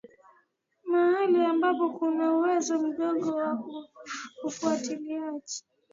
mahali ambapo kuna uwezo mdogo wa ufuatiliaji